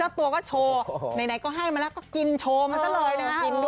ตัวก็โชว์ไหนก็ให้มาแล้วก็กินโชว์มาซะเลยนะฮะ